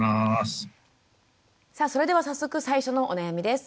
さあそれでは早速最初のお悩みです。